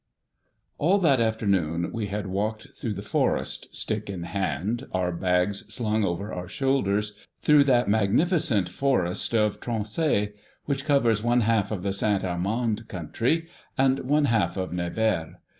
All that afternoon we had walked through the forest, stick in hand, our bags slung over our shoulders, through that magnificent forest of Tronsays, which covers one half the St. Amand country, and one half of Nevers.